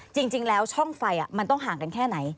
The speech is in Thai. จริงแล้วช่องไฟมันต้องห่างกันแค่ไหน